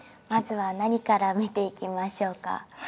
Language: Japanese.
まずは何から見ていきましょうか？